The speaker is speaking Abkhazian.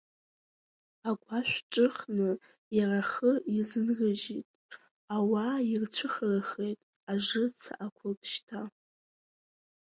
Агәашә ҿыхны иара ахы иазынрыжьит, ауаа ирцәыхарахеит, ажыц ақәылт шьҭа.